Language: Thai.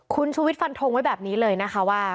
คุณชูวิทฟันทงไว้แบบนี้เลยนะคะว่า